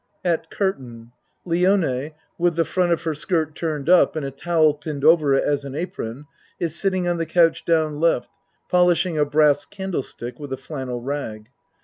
At curtain Lione, with the front of her skirt turned up and a towel pinned over it as on apron, is sitting on the couch down L,., polishing a brass candle stick with a flannel rag.